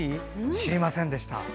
知りませんでした。